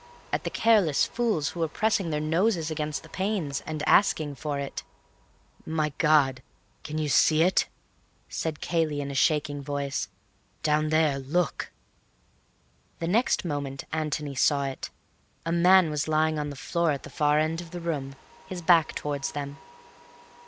—at the careless fools who were pressing their noses against the panes, and asking for it. "My God, can you see it?" said Cayley in a shaking voice. "Down there. Look!" The next moment Antony saw it. A man was lying on the floor at the far end of the room, his back towards them.